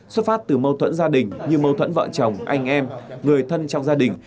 xuất phát từ mâu thuẫn gia đình như mâu thuẫn vợ chồng anh em người thân trong gia đình